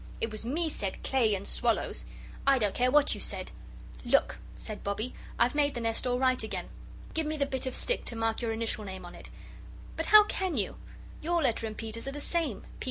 It was me said clay and swallows." "I don't care what you said." "Look," said Bobbie, "I've made the nest all right again. Give me the bit of stick to mark your initial name on it. But how can you? Your letter and Peter's are the same. P.